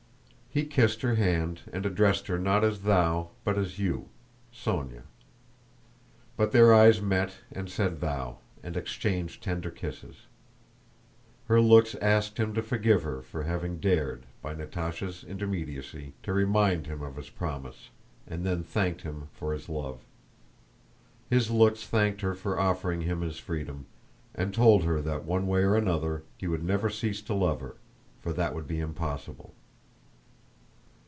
He kissed her hand and addressed her not as thou but as you—Sónya. But their eyes met and said thou, and exchanged tender kisses. Her looks asked him to forgive her for having dared, by Natásha's intermediacy, to remind him of his promise, and then thanked him for his love. His looks thanked her for offering him his freedom and told her that one way or another he would never cease to love her, for that would be impossible.